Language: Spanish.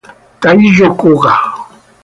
Taiyo Koga